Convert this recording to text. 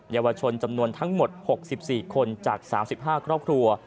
เยาวชนจำนวนทั้งหมด๖๔คนจาก๓๕ครอบครัว